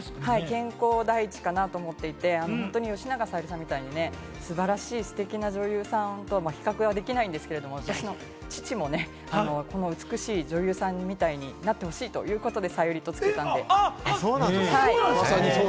健康第一かなと思って、吉永小百合さんみたいに素晴らしいステキな女優さんとは比較ができないんですけれど、私の父もこの美しい女優さんみたいになってほしいというそうなの？